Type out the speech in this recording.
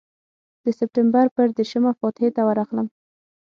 د سپټمبر پر دېرشمه فاتحې ته ورغلم.